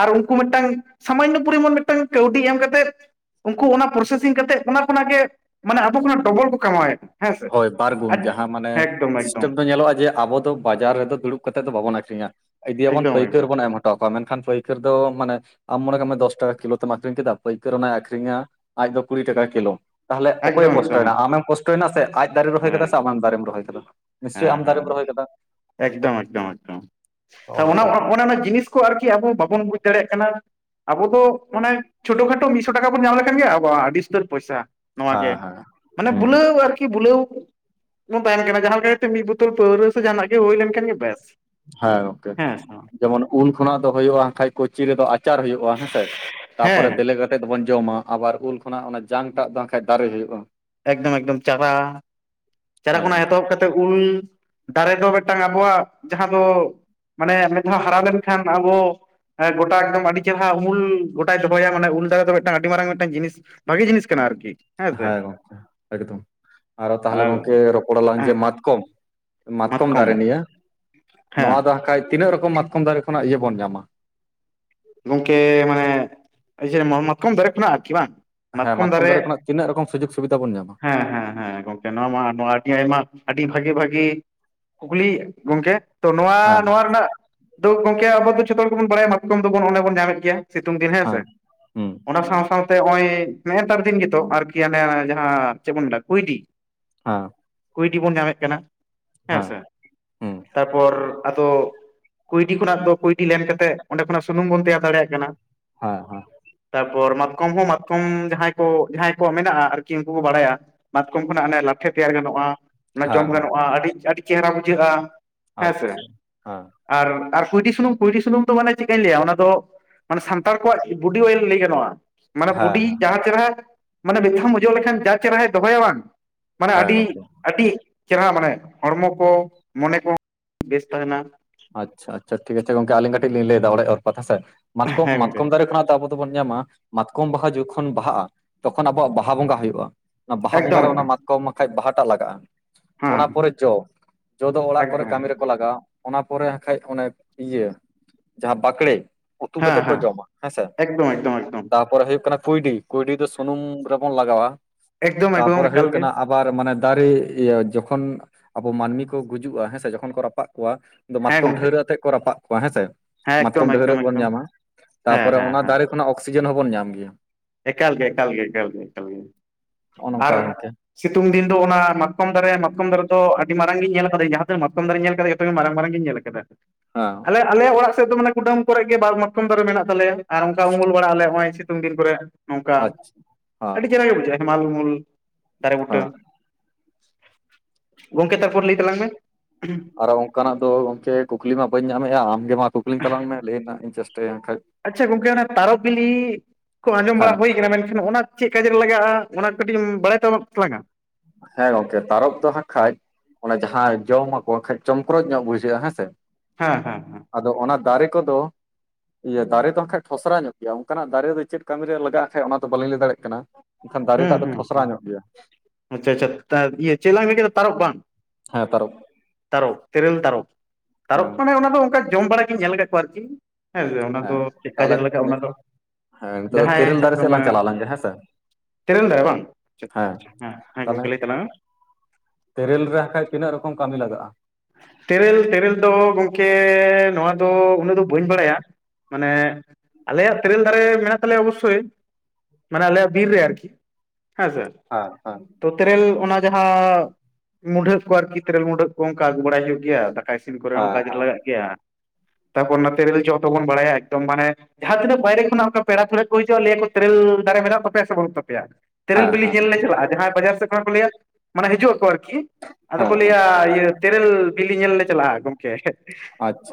ᱟᱨ ᱩᱱᱠᱩ ᱢᱤᱫᱴᱟᱝ ᱥᱟᱢᱟᱱᱱᱚ ᱯᱚᱨᱤᱢᱟᱱ ᱢᱤᱫᱴᱟᱝ ᱠᱟᱹᱣᱰᱤ ᱮᱢ ᱠᱟᱛᱮᱫ ᱩᱱᱠᱩ ᱚᱱᱟ ᱯᱨᱚᱥᱮᱥᱤᱝ ᱠᱟᱛᱮᱫ ᱚᱱᱟ ᱠᱷᱚᱱᱟᱜ ᱜᱮ ᱢᱟᱱᱮ ᱟᱵᱚ ᱠᱷᱚᱱᱟᱜ ᱰᱚᱵᱚᱞ ᱠᱚ ᱠᱟᱢᱟᱣᱮᱫ᱾ ᱦᱮᱸ ᱥᱮ ᱦᱳᱭ ᱵᱟᱨᱜᱩᱱ ᱡᱟᱦᱟᱸ ᱢᱟᱱᱮ ᱮᱠᱫᱚᱢ ᱮᱠᱫᱚᱢ ᱥᱤᱥᱴᱮᱢ ᱫᱚ ᱧᱮᱞᱚᱜᱼᱟ ᱡᱮ ᱟᱵᱚ ᱫᱚ ᱵᱟᱡᱟᱨ ᱨᱮᱫᱚ ᱫᱩᱲᱩᱵ ᱠᱟᱛᱮ ᱫᱚ ᱵᱟᱵᱚᱱ ᱟᱠᱷᱨᱤᱧᱟ ᱤᱫᱤᱭᱟᱵᱚᱱ ᱮᱠᱫᱚᱢ ᱯᱟᱹᱭᱠᱟᱹᱨ ᱮᱠᱫᱚᱢ ᱵᱚᱱ ᱮᱢᱟ ᱴᱟᱠᱟ ᱢᱮᱱᱠᱷᱟᱱ ᱯᱟᱹᱭᱠᱟᱹᱨ ᱫᱚ ᱢᱟᱱᱮ ᱟᱢ ᱢᱚᱱᱮ ᱠᱟᱜ ᱢᱮ ᱫᱚᱥ ᱴᱟᱠᱟ ᱠᱤᱞᱳ ᱛᱮᱢ ᱟᱠᱷᱨᱤᱧ ᱠᱮᱫᱟ ᱯᱟᱹᱭᱠᱟᱹᱨ ᱚᱱᱟᱭ ᱟᱹᱷᱨᱤᱧᱟ ᱟᱡ ᱫᱚ ᱠᱩᱲᱤ ᱴᱟᱠᱟ ᱠᱤᱞᱳ᱾ ᱛᱟᱦᱚᱞᱮ ᱚᱠᱚᱭᱮ ᱮᱠᱫᱚᱢ ᱮᱠᱫᱚᱢ ᱠᱚᱥᱴᱚᱭᱮᱱᱟ ᱟᱢᱮᱢ ᱠᱚᱥᱴᱚᱭᱮᱱᱟ ᱥᱮ ᱟᱡ ᱫᱟᱨᱮᱭ ᱨᱚᱦᱚᱭ ᱠᱟᱫᱟ ᱥᱮ ᱟᱢ ᱫᱟᱨᱮᱢ ᱨᱚᱦᱚᱭ ᱟᱠᱟᱫᱟ? ᱦᱮᱸ ᱦᱮᱸ ᱮᱠᱫᱚᱢ ᱮᱠᱫᱚᱢ ᱮᱠᱫᱚᱢ ᱱᱚᱜᱼᱚ ᱛᱟᱦᱚᱞᱮ ᱱᱚᱝᱠᱟ ᱚᱱᱟ ᱚᱱᱮ ᱚᱱᱟ ᱡᱤᱱᱤᱥ ᱟᱨᱠᱤ ᱟᱵᱚ ᱵᱟᱵᱚᱱ ᱵᱩᱡᱽ ᱫᱟᱲᱮᱭᱟᱜ ᱠᱟᱱᱟ, ᱟᱵᱚ ᱫᱚ ᱢᱟᱱᱮ ᱪᱷᱳᱴᱳ ᱠᱷᱟᱴᱳ ᱢᱤᱫ ᱥᱚ ᱴᱟᱠᱟ ᱵᱚᱱ ᱧᱟᱢ ᱞᱮᱠᱷᱟᱱ ᱜᱮ ᱟᱵᱚᱣᱟᱜ ᱟᱹᱰᱤ ᱩᱥᱛᱟᱹᱨ ᱯᱚᱭᱥᱟ᱾ ᱱᱚᱣᱟ ᱜᱮ ᱦᱮᱸ ᱦᱮᱸ ᱢᱟᱱᱮ ᱦᱩᱸ ᱵᱩᱞᱟᱹᱣ ᱟᱨᱠᱤ ᱵᱩᱞᱟᱹᱣ ᱵᱚᱱ ᱛᱟᱦᱮᱱ ᱠᱟᱱᱟ ᱡᱟᱦᱟ ᱜᱮ ᱢᱤᱫ ᱵᱩᱛᱚᱞ ᱯᱟᱹᱣᱨᱟᱹ ᱥᱮ ᱡᱟᱦᱟᱱᱟᱜ ᱜᱮ ᱦᱩᱭ ᱞᱮᱱᱠᱷᱟᱱ ᱜᱮ ᱵᱮᱥ᱾ ᱦᱮᱸ ᱦᱮᱸ ᱥᱮ ᱵᱟᱝ ᱡᱮᱢᱚᱱ ᱩᱞ ᱠᱷᱚᱱᱟᱜ ᱫᱚ ᱦᱩᱭᱩᱜᱼᱟ ᱠᱷᱟᱡ ᱠᱩᱪᱤ ᱨᱮᱫᱚ ᱟᱪᱟᱨ ᱦᱩᱭᱩᱜᱼᱟ ᱦᱮᱸᱥᱮ ᱛᱟᱯᱚᱨ ᱦᱮᱸ ᱵᱮᱞᱮ ᱠᱟᱛᱮᱫ ᱫᱚᱵᱚᱱ ᱡᱚᱢᱟ ᱟᱵᱟᱨ ᱩᱞ ᱠᱷᱚᱱᱟᱜ ᱚᱱᱟ ᱡᱟᱝᱴᱟᱜ ᱵᱟᱝ ᱠᱷᱟᱱᱡ ᱫᱟᱨᱮ ᱦᱩᱭᱩᱜᱼᱟ᱾ ᱮᱠᱫᱚᱢ ᱮᱠᱫᱚᱢ ᱪᱟᱨᱟ ᱪᱟᱨᱟ ᱦᱮᱸ ᱠᱷᱚᱱᱟᱜ ᱜᱚᱝᱠᱮ ᱮᱛᱚᱦᱚᱵ ᱠᱟᱛᱮᱫ ᱩᱞ ᱫᱟᱨᱮ ᱫᱚ ᱢᱤᱫᱴᱟᱝ ᱟᱵᱚᱣᱟᱜ ᱡᱟᱦᱟᱸ ᱫᱚ ᱢᱟᱱᱮ ᱢᱤᱫ ᱫᱷᱟᱣ ᱦᱟᱨᱟ ᱞᱮᱱᱠᱷᱟᱱ ᱟᱵᱚ ᱦᱮᱸ ᱜᱚᱴᱟ ᱮᱠᱫᱚᱢ ᱟᱹᱰᱤ ᱪᱮᱦ ᱩᱩᱞ ᱜᱚᱴᱟᱭ ᱫᱚᱦᱚᱭᱟ ᱢᱟᱱᱮ ᱩᱞ ᱫᱟᱨᱮ ᱫᱚ ᱢᱤᱫᱴᱟᱝ ᱟᱹᱰᱤ ᱢᱟᱨᱟᱝ ᱢᱤᱫᱴᱟᱝ ᱡᱤᱱᱤᱥ ᱵᱷᱟᱜᱮ ᱡᱤᱱᱤᱥ ᱠᱟᱱᱟ ᱟᱨᱠᱤ᱾ ᱦᱮᱸ ᱜᱚᱝᱠᱮ ᱮᱠᱫᱚᱢ, ᱟᱨ ᱛᱟᱦᱚᱞᱮ ᱜᱚᱝᱠᱮ ᱨᱚᱯᱚᱲ ᱞᱟᱝ ᱡᱮ ᱢᱟᱛᱠᱚᱢ᱾ ᱢᱟᱛᱠᱚᱢ ᱫᱟᱨᱮ ᱱᱤᱭᱟᱹ, ᱦᱮᱸ ᱱᱚᱣᱟ ᱫᱚ ᱦᱟᱸᱜ ᱠᱷᱟᱡ ᱛᱤᱱᱟᱹᱜ ᱨᱚᱠᱚᱢ ᱢᱟᱛᱠᱚᱢ ᱫᱟᱨᱮ ᱠᱷᱚᱱᱟᱜ ᱤᱭᱟᱹ ᱵᱚᱱ ᱧᱟᱢᱟ? ᱜᱚᱝᱠᱮ ᱢᱟᱱᱮ ᱤᱭᱟᱹ, ᱢᱟᱛᱠᱚᱢ ᱫᱟᱨᱮ ᱠᱷᱚᱱᱟᱜ ᱟᱨᱠᱤ ᱵᱟᱝ᱾ ᱦᱮ ᱢᱟᱛᱠᱚᱢ ᱫᱟᱨᱮ ᱠᱷᱚᱱ ᱛᱤᱱᱟᱹᱜ ᱨᱚᱠᱚᱢ ᱥᱩᱡᱳᱜᱽ ᱥᱩᱵᱤᱫᱷᱟ ᱵᱚᱱ ᱧᱟᱢᱟ? ᱦᱮᱸ ᱦᱮᱸ ᱦᱮᱸ ᱜᱚᱝᱠᱮ ᱱᱚᱣᱟ ᱢᱟ ᱱᱚᱣᱟ ᱟᱰᱤ ᱟᱭᱢᱟ ᱟᱰᱤ ᱵᱷᱟᱜᱮ ᱵᱷᱟᱜᱤ ᱠᱩᱠᱤᱞᱤ ᱜᱚᱝᱠᱮ ᱾ ᱛᱚ ᱱᱚᱣᱟ ᱦᱮᱸ ᱱᱚᱣᱟ ᱨᱮᱱᱟᱜ ᱫᱚ ᱜᱚᱝᱠᱮ ᱟᱵᱚ ᱫᱚ ᱡᱚᱛᱷᱚ ᱜᱮᱵᱚᱱ ᱵᱟᱲᱟᱭᱟ ᱢᱟᱛᱠᱚᱢ ᱫᱚᱵᱚᱱ ᱚᱱᱮ ᱵᱚᱱ ᱧᱟᱢᱮᱜ ᱜᱮᱭᱟ᱾ ᱥᱤᱛᱳᱝ ᱫᱤᱱ ᱦᱮᱸᱥᱮ ᱦᱮᱸ ᱦᱩᱸ ᱚᱱᱟ ᱥᱟᱶ ᱥᱟᱶᱛᱮ ᱱᱚᱜᱼᱚᱭ ᱱᱮᱜᱼᱮ ᱱᱮᱛᱟᱨ ᱫᱤᱱ ᱜᱮᱛᱚ ᱟᱨᱠᱤ ᱟᱱᱮ ᱦᱮᱸ ᱪᱮᱫ ᱢᱮᱱᱟ ᱠᱩᱭᱰᱤ᱾ ᱦᱟᱸ ᱠᱩᱭᱰᱤ ᱵᱚᱱ ᱧᱟᱢᱮᱜ ᱠᱟᱱᱟ ᱦᱮᱸ ᱥᱮ ᱦᱩᱸ ᱛᱟᱯᱚᱨ ᱟᱫᱚ ᱠᱩᱭᱰᱤ ᱠᱷᱚᱱᱟᱜ ᱫᱚ ᱠᱩᱭᱰᱤ ᱞᱮᱱ ᱠᱟᱛᱮᱜ ᱚᱸᱰᱮ ᱠᱷᱚᱱᱟᱜ ᱥᱩᱱᱩᱢ ᱵᱚᱱ ᱛᱮᱭᱟᱨ ᱫᱟᱲᱮᱭᱟᱜ ᱠᱟᱱᱟ᱾ ᱦᱮᱸ ᱦᱮᱸ ᱛᱟᱨᱯᱚᱨ ᱢᱟᱛᱠᱚᱢ ᱦᱚᱸ ᱢᱟᱛᱠᱚᱢ ᱡᱟᱸᱦᱟᱸᱭ ᱠᱚ ᱡᱟᱸᱦᱟᱸᱭ ᱠᱚ ᱢᱮᱱᱟᱜᱼᱟ ᱟᱨ ᱠᱤ ᱩᱱᱠᱩ ᱠᱚ ᱵᱟᱲᱟᱭᱟ ᱢᱟᱛᱠᱚᱢ ᱠᱷᱚᱱᱟᱜ ᱚᱱᱮ ᱞᱟᱴᱷᱮ ᱛᱮᱭᱟᱨ ᱜᱟᱱᱚᱜᱼᱟ ᱚᱱᱟ ᱦᱮᱸ ᱦᱮᱸ ᱡᱚᱢ ᱦᱮᱸ ᱜᱟᱱᱚᱜᱼᱟ ᱟᱰᱤ ᱟᱰᱤ ᱪᱮᱦᱨᱟ ᱵᱩᱡᱷᱟᱹᱜᱼᱟ ᱦᱮᱸ ᱥᱮ᱾ ᱟᱪᱪᱷᱟ ᱦᱮᱸ ᱟᱨ ᱠᱩᱭᱰᱤ ᱥᱩᱱᱩᱢ, ᱠᱩᱭᱰᱤ ᱥᱩᱱᱩᱢ ᱫᱚ ᱢᱟᱱᱮ ᱪᱮᱜᱠᱟᱧ ᱞᱟᱹᱭᱟ ᱚᱱᱟ ᱫᱚ ᱢᱟᱱᱮ ᱥᱟᱱᱛᱟᱲ ᱠᱚᱣᱟᱜ, ᱵᱩᱰᱤ ᱚᱭᱮᱞ ᱞᱟᱹᱭ ᱜᱟᱱᱚᱜᱼᱟ᱾ ᱢᱟᱱᱮ ᱦᱮᱸ ᱵᱩᱰᱤ ᱦᱮᱸ ᱡᱟᱦᱟᱸ ᱪᱮᱨᱦᱟ ᱢᱟᱱᱮ ᱵᱮᱥ ᱪᱮᱨᱦᱟᱢ ᱚᱡᱚᱜ ᱞᱮᱠᱷᱟᱱ ᱡᱟ ᱪᱮᱨᱦᱟᱭ ᱫᱚᱦᱚᱭᱟ ᱵᱟᱝ᱾ ᱢᱟᱱᱮ ᱦᱮᱸ ᱟᱰᱤ ᱜᱚᱝᱠᱮ ᱟᱰᱤ ᱪᱮᱨᱦᱟ ᱢᱟᱱᱮ ᱦᱚᱲᱢᱚ ᱠᱚ ᱢᱟᱱᱮ ᱠᱚ ᱵᱮᱥ ᱛᱟᱦᱮᱱᱟ᱾ ᱟᱪᱪᱷᱟ ᱟᱪᱪᱷᱟ ᱴᱷᱤᱠ ᱟᱪᱷᱮ ᱜᱚᱝᱠᱮ ᱟᱹᱞᱤᱧ ᱠᱟᱴᱤᱜ ᱞᱤᱧ ᱞᱟᱹᱭᱫᱟ ᱟᱹᱛᱯᱟᱹᱛ ᱦᱮᱸᱥᱮ ᱢᱟᱛᱠᱚᱢ ᱦᱮᱸ ᱜᱚᱝᱠᱮ ᱢᱟᱛᱠᱚᱢ ᱫᱟᱨᱮ ᱠᱷᱚᱱᱟᱜ ᱫᱚ ᱟᱵᱚ ᱛᱚᱵᱚᱱ ᱧᱟᱢᱟ ᱢᱟᱛᱠᱚᱢ ᱵᱟᱦᱟ ᱡᱚᱠᱷᱚᱱ ᱵᱟᱦᱟᱜᱼᱟ ᱛᱚᱠᱷᱚᱱ ᱟᱵᱚᱣᱟᱜ ᱵᱟᱦᱟ ᱵᱚᱸᱜᱟ ᱦᱳᱭᱳᱜᱼᱟ ᱾ ᱚᱱᱟ ᱵᱟᱦᱟ ᱵᱚᱸᱜᱟ ᱮᱠᱫᱚᱢ ᱨᱮ ᱮᱠᱫᱚᱢ ᱚᱱᱟ ᱢᱟᱛᱠᱚᱢ ᱵᱟᱠᱷᱟᱡ ᱵᱟᱦᱟᱴᱟᱜ ᱞᱟᱜᱟᱜᱼᱟ᱾ ᱦᱮᱸ ᱚᱱᱟ ᱯᱚᱨᱮ ᱡᱚ, ᱡᱚ ᱫᱚ ᱚᱲᱟᱜ ᱠᱚᱨᱮ ᱮᱠᱫᱚᱢ ᱠᱟᱢᱤ ᱮᱠᱫᱚᱢ ᱨᱮᱠᱚ ᱞᱟᱜᱟᱣᱟ ᱾ ᱚᱱᱟ ᱯᱚᱨᱮ ᱦᱟᱸᱜ ᱠᱷᱟᱡ ᱚᱱᱮ ᱤᱭᱟᱹ ᱡᱟᱸᱦᱟᱸ ᱵᱟᱠᱲᱮᱹ ᱩᱛᱩ ᱦᱮᱸ ᱠᱟᱛᱮᱜ ᱠᱚ ᱦᱮᱸ ᱡᱚᱢᱟ ᱦᱮᱸᱥᱮ ᱮᱠᱫᱚᱢ ᱮᱠᱫᱚᱢ ᱮᱠᱫᱚᱢ ᱛᱟᱯᱚᱨᱮ ᱦᱳᱭᱳᱜ ᱠᱟᱱᱟ ᱠᱩᱭᱰᱤ, ᱠᱩᱭᱰᱤ ᱫᱚ ᱥᱩᱱᱩᱢ ᱨᱮᱵᱚᱱ ᱞᱟᱜᱟᱣᱟ ᱮᱠᱫᱚᱢ ᱮᱠᱫᱚᱢ ᱛᱟᱯᱚᱨᱮ ᱮᱠᱟᱞ ᱦᱳᱭᱳᱜ ᱜᱮ ᱠᱟᱱᱟ ᱟᱵᱟᱨ ᱢᱟᱱᱮ ᱫᱟᱨᱮ ᱤᱭᱟᱹ ᱡᱚᱠᱷᱚᱱ ᱟᱵᱚ ᱢᱟᱱᱢᱤ ᱠᱚ ᱜᱩᱡᱩᱜᱼᱟ ᱦᱮᱸ ᱥᱮ ᱡᱚᱠᱷᱚᱱ ᱠᱚ ᱨᱟᱯᱟᱜ ᱠᱚᱣᱟ ᱫᱚ ᱦᱮᱸ ᱢᱟᱛᱠᱚᱢ ᱜᱚᱝᱠᱮ ᱰᱷᱟᱹᱣᱨᱟᱹᱜ ᱟᱛᱮᱜ ᱠᱚ ᱨᱟᱯᱟᱜ ᱠᱚᱣᱟ ᱦᱮᱸᱥᱮ ᱦᱮᱸ ᱮᱠᱫᱚᱢ ᱢᱟᱛᱠᱚᱢ ᱮᱠᱫᱚᱢ ᱰᱷᱟᱹᱣᱨᱟᱹᱜ ᱵᱚᱱ ᱮᱠᱫᱚᱢ ᱧᱟᱢᱟ ᱦᱮᱸ ᱛᱟᱯᱚᱨᱮ ᱦᱮᱸ ᱚᱱᱟ ᱦᱮᱸ ᱫᱟᱨᱮ ᱚᱱᱟ ᱚᱠᱥᱤᱡᱮᱱ ᱦᱚᱸᱵᱚᱱ ᱧᱟᱢ ᱜᱮᱭᱟ᱾ ᱮᱠᱟᱞ ᱜᱮ ᱮᱠᱟᱞ ᱜᱮ ᱮᱠᱟᱞ ᱜᱮ ᱮᱠᱟᱞ ᱜᱤ ᱱᱚᱜᱼᱚ ᱱᱚᱝᱠᱟ ᱟᱨ ᱜᱚᱝᱠᱮ ᱥᱤᱛᱩᱝ ᱫᱤᱱ ᱫᱚ ᱚᱱᱟ ᱢᱟᱛᱠᱚᱢ ᱫᱟᱨᱮ ᱢᱟᱛᱠᱚᱢ ᱫᱟᱨᱮ ᱫᱚ ᱟᱰᱤ ᱢᱟᱨᱟᱝ ᱜᱮᱧ ᱧᱮᱞ ᱟᱠᱟᱫᱟᱹᱧ ᱡᱟᱸᱦᱟᱸ ᱛᱤᱱᱟᱹᱜ ᱢᱟᱛᱠᱚᱢ ᱫᱟᱨᱮᱧ ᱧᱮᱞ ᱟᱠᱟᱫᱟ ᱡᱚᱛᱚ ᱜᱮ ᱢᱟᱨᱟᱝ ᱢᱟᱨᱟᱝᱜᱤᱧ ᱧᱮᱞ ᱠᱟ ᱠᱟᱫᱟ ᱦᱮᱸ ᱟᱞᱮ ᱚᱲᱟᱜ ᱥᱮᱜ ᱫᱚ ᱢᱟᱱᱮ ᱠᱩᱰᱟᱹᱢ ᱠᱚᱨᱮ ᱜᱮ ᱵᱟᱨ ᱢᱟᱛᱠᱚᱢ ᱫᱟᱨᱮ ᱢᱮᱱᱟᱜ ᱛᱟᱞᱮᱭᱟ ᱟᱨ ᱚᱱᱠᱟ ᱩᱢᱩᱞ ᱵᱟᱲᱟ ᱟᱞᱮ ᱱᱚᱜᱼᱚᱭ ᱥᱤᱛᱩᱝ ᱫᱤᱱ ᱠᱚᱨᱮ᱾ ᱱᱚᱝᱠᱟ ᱟᱪᱪᱷᱟ ᱦᱮᱸ ᱟᱰᱤ ᱪᱮᱦᱨᱟ ᱜᱮ ᱵᱩᱡᱷᱟᱹᱜᱼᱟ ᱦᱮᱢᱟᱞ ᱩᱢᱩᱞ ᱫᱟᱨᱮ ᱵᱩᱴᱟᱹ᱾ ᱦᱮᱸ ᱜᱚᱝᱠᱮ ᱛᱟᱨᱯᱚᱨ ᱞᱟᱹᱭ ᱛᱟᱞᱟᱝ ᱢᱮ᱾ ᱟᱨᱚ ᱚᱝᱠᱟᱱᱟᱜ ᱫᱚ ᱜᱚᱝᱠᱮ ᱠᱩᱠᱞᱤ ᱢᱟ ᱵᱟᱹᱧ ᱧᱟᱢᱮᱜᱼᱟ ᱟᱢᱜᱮ ᱢᱟ ᱠᱩᱠᱞᱤᱧ ᱛᱟᱞᱟᱝ ᱢᱮ ᱞᱟᱹᱭ ᱨᱮᱱᱟᱜ ᱤᱧ ᱪᱮᱥᱴᱟᱭᱟ ᱦᱟᱜᱠᱷᱟᱡ᱾ ᱟᱪᱪᱷᱟ ᱜᱚᱝᱠᱮ ᱚᱱᱟ ᱛᱟᱨᱚᱵ ᱵᱤᱞᱤ ᱠᱚ ᱟᱸᱡᱚᱢ ᱦᱮᱸ ᱵᱟᱲᱟ ᱦᱳᱭ ᱢᱮᱱᱠᱷᱟᱱ ᱚᱱᱟ ᱪᱮᱫ ᱠᱟᱡ ᱨᱮ ᱞᱟᱜᱟᱜᱼᱟ, ᱚᱱᱟ ᱠᱟᱹᱴᱤᱡ ᱮᱢ ᱵᱟᱲᱟᱭ ᱛᱟᱢᱟ ᱛᱟᱞᱟᱝ ᱟ? ᱦᱮᱸ ᱜᱚᱝᱠᱮ ᱛᱟᱨᱚᱯ ᱫᱚ ᱦᱟᱸᱜ ᱠᱷᱟᱡ ᱚᱱᱟ ᱡᱟᱸᱦᱟᱸ ᱡᱚᱢ ᱟᱠᱚ ᱠᱷᱟᱡ ᱪᱚᱢᱠᱚᱨᱚᱪ ᱧᱚᱜ ᱵᱩᱡᱷᱟᱹᱜᱼᱟ ᱦᱮᱸ ᱥᱮ᱾ ᱦᱮᱸ ᱦᱮᱸ ᱦᱮᱸ᱾ ᱟᱫᱚ ᱚᱱᱟ ᱫᱟᱨᱮ ᱠᱚᱫᱚ ᱤᱭᱟᱹ ᱫᱟᱨᱮ ᱫᱚ ᱦᱟᱸᱜ ᱠᱷᱟᱡ ᱴᱷᱚᱥᱨᱟ ᱧᱚᱜ ᱜᱮᱭᱟ ᱚᱝᱠᱟᱱᱟᱜ ᱫᱟᱨᱮ ᱫᱚ ᱪᱮᱫ ᱠᱟᱢᱤ ᱨᱮ ᱞᱟᱜᱟᱜᱼᱟ ᱠᱷᱟᱡ ᱚᱱᱟ ᱫᱚ ᱵᱟᱹᱞᱤᱧ ᱞᱟᱹᱭ ᱫᱟᱲᱮᱭᱟᱜ ᱠᱟᱱᱟ᱾ ᱮᱱᱠᱷᱟᱱ ᱦᱩᱸ ᱦᱮᱸ ᱫᱟᱨᱮᱴᱟᱜ ᱫᱚ ᱴᱷᱚᱥᱨᱟ ᱦᱩᱸ ᱧᱚᱜ ᱜᱮᱭᱟ ᱟᱪᱪᱷᱟ ᱟᱪᱪᱷᱟ ᱤᱭᱟᱹ ᱪᱮᱫ ᱞᱟᱝ ᱢᱮᱱ ᱠᱮᱫᱟ ᱛᱟᱨᱚᱵ ᱵᱟᱝ ᱾ ᱦᱮᱸ ᱛᱟᱨᱚᱵ᱾ ᱛᱟᱨᱚᱵ ᱛᱮᱨᱮᱞ ᱛᱟᱨᱚᱵ ᱦᱮᱸ ᱛᱟᱨᱚᱵ ᱢᱟᱱᱮ ᱚᱱᱟ ᱫᱚ ᱚᱱᱠᱟ ᱡᱚᱢ ᱵᱟᱲᱟ ᱜᱤᱧ ᱧᱮᱞ ᱟᱠᱟᱫ ᱠᱚᱣᱟ ᱟᱨᱠᱤ᱾ ᱦᱮᱸᱥᱮ ᱚᱱᱟ ᱫᱚ ᱪᱮᱫᱠᱟ ᱡᱮᱞ ᱞᱟᱜᱟᱜᱼᱟ ᱚᱱᱟ ᱫᱚ ᱦᱮ ᱱᱤᱛᱚᱜ ᱫᱚ ᱡᱟᱦᱟᱸᱭ ᱛᱮᱹᱨᱮᱹᱞ ᱥᱟᱵ ᱫᱟᱨᱮ ᱠᱟᱜ ᱥᱮᱫ ᱢᱮ ᱞᱟᱝ ᱪᱟᱞᱟᱣ ᱞᱮᱱ ᱜᱮ ᱦᱮᱸ ᱥᱮ ᱛᱮᱨᱮᱞ ᱫᱟᱨᱮ ᱵᱟᱝ ᱦᱮᱸ ᱛᱟᱦᱚᱞᱮ ᱜᱚᱢᱠᱮ ᱞᱟᱹᱭ ᱛᱟᱞᱟᱝ ᱢᱮ ᱛᱮᱨᱮᱞ ᱨᱮ ᱟᱠᱷᱟᱡ ᱛᱤᱱᱟᱹᱜ ᱨᱚᱠᱚᱢ ᱠᱟᱹᱢᱤ ᱞᱟᱜᱟᱜᱼᱟ? ᱛᱮᱨᱮᱞ ᱛᱮᱨᱮᱞ ᱫᱚ ᱜᱚᱝᱠᱮ ᱱᱚᱣᱟ ᱫᱚ ᱩᱱᱟᱹᱜ ᱫᱚ ᱵᱟᱹᱧ ᱵᱟᱲᱟ ᱭᱟ ᱢᱟᱱᱮ ᱟᱞᱮ ᱭᱟᱜ ᱛᱮᱨᱮᱞ ᱫᱟᱨᱮ ᱢᱮᱱᱟᱜ ᱛᱟᱞᱮ ᱭᱟ ᱚᱵᱚᱥ ᱥᱳᱭ ᱢᱟᱱᱮ ᱟᱞᱮᱭᱟᱜ ᱵᱤᱨ ᱨᱮ ᱟᱨᱠᱤ ᱦᱮᱸ ᱥᱮ ᱦᱮᱸ ᱦᱮᱸ ᱛᱚ ᱛᱮᱨᱮᱞ ᱚᱱᱟ ᱡᱟᱦᱟᱸ ᱢᱩᱰᱷᱟᱹᱜ ᱠᱚ ᱟᱨᱠᱤ ᱛᱮᱨᱮᱞ ᱢᱩᱰᱷᱟᱹᱜ ᱠᱚ ᱚᱱᱠᱟ ᱟᱹᱜᱩ ᱵᱟᱲᱟᱭ ᱦᱩᱭᱩᱜ ᱜᱮᱭᱟ ᱫᱟᱠᱟ [unintelligible] ᱤᱥᱤᱱ ᱠᱚ ᱨᱮ ᱦᱚᱸ ᱦᱮᱸ ᱠᱟᱡᱽ ᱨᱮ ᱞᱟ ᱜᱟᱜ ᱜᱮᱭᱟ ᱛᱟᱯᱚᱨ ᱱᱚ ᱛᱮ ᱛᱮᱨᱮᱹᱞ ᱡᱚ ᱛᱚ ᱵᱚᱱ ᱵᱟᱲᱟ ᱭᱟ ᱮᱠᱫᱚᱢ ᱢᱟᱱᱮ ᱡᱟᱦᱟᱸ ᱛᱤᱱᱟᱹᱜ ᱵᱟᱭ ᱨᱮ ᱠᱷᱚ ᱱᱟᱜ ᱚᱱᱠᱟ ᱯᱮᱲᱟ ᱯᱟᱹᱲᱦᱟᱹᱜ ᱠᱚ ᱦᱤᱡᱩᱜᱼᱟ ᱞᱟᱹᱭ ᱟᱠᱚ ᱛᱮᱨᱮᱞ ᱫᱟᱨᱮ ᱢᱮᱱᱟᱜ ᱛᱟᱯᱮ ᱭᱟ ᱥᱮ ᱵᱟᱹᱱᱩᱜ ᱛᱟᱯᱮ ᱭᱟ᱾ ᱛᱮᱨᱮᱞ ᱦᱮᱸ ᱵᱤᱞᱤ ᱧᱮᱞ ᱞᱮ ᱪᱟᱞᱟᱜᱼᱟ ᱡᱟᱦᱟᱸᱭ ᱵᱟᱡᱟᱨ ᱥᱮᱫ ᱠᱷᱚᱱᱟᱜ ᱠᱚ ᱞᱟᱹᱭᱟ ᱢᱟᱱᱮ ᱦᱤᱡᱩᱜ ᱟᱠᱚ ᱟᱨᱠᱤ ᱟᱫᱚ ᱦᱮᱸ ᱠᱚ ᱞᱟᱹᱭ ᱦᱮᱸ ᱟ ᱤᱭᱟᱹ ᱛᱮᱨᱮᱞ ᱵᱤᱞᱤ ᱧᱮᱞ ᱞᱮ ᱪᱟᱞᱟᱜᱼᱟ ᱜᱚᱝᱠᱮ